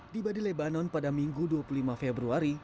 di badi lebanon pada minggu dua puluh lima februari